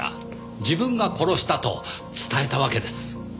自分が殺したと伝えたわけです。